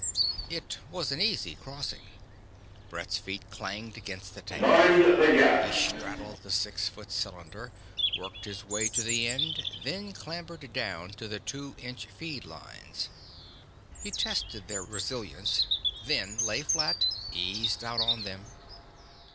It was an easy crossing. Brett's feet clanged against the tank. He straddled the six foot cylinder, worked his way to the end, then clambered down to the two two inch feed lines. He tested their resilience, then lay flat, eased out on them.